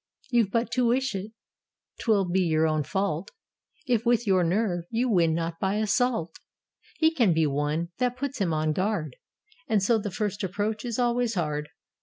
"You've but to wish it: 't will be your own fault. If, with your nerve, you win not by assault: He can be won: that puts him on his guard, And so the first approach is always hard."